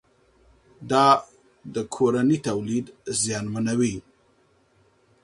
دا د کورني تولید زیانمنوي.